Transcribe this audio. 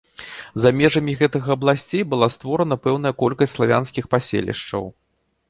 За межамі гэтых абласцей была створана пэўная колькасць славянскіх паселішчаў.